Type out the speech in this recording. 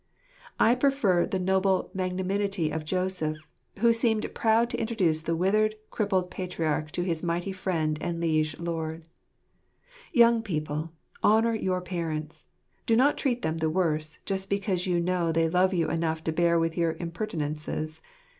I prefer the noble magnanimity of Joseph, who seemed proud to introduce the withered, crippled patriarch to his mighty friend and liege lord. Young people, honour your parents ! Do not treat them the worse, just because you know they love you enough to bear with your impertinences.